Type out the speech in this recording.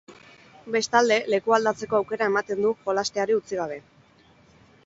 Bestalde, lekua aldatzeko aukera ematen du jolasteari utzi gabe.